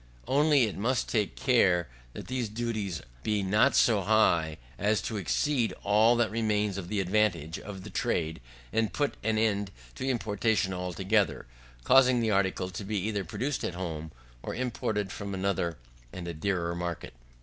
Only it must take care that these duties be not so high as to exceed all that remains of the advantage of the trade, and put an end to importation altogether; causing the article to be either produced at home, or imported from another and a dearer market.